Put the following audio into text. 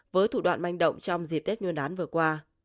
với thủ đoạn manh động trong dịp tết nguyên đán vừa qua